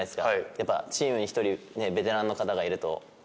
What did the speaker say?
やっぱチームに１人ベテランの方がいると。